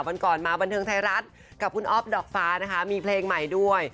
วันก่อนมาบันเทิงไทยรัฐกับคุณอ๊อฟดอกฟ้านะคะมีเพลงใหม่ด้วย